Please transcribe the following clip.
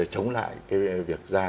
chống lại cái việc ra